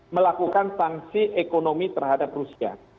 melakukan sanksi ekonomi terhadap rusia